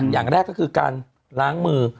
อย่างแรกก็คือการล้างมือ